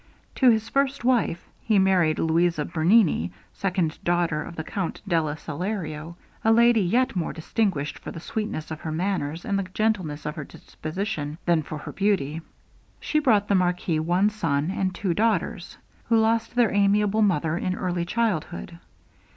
To his first wife, he married Louisa Bernini, second daughter of the Count della Salario, a lady yet more distinguished for the sweetness of her manners and the gentleness of her disposition, than for her beauty. She brought the marquis one son and two daughters, who lost their amiable mother in early childhood.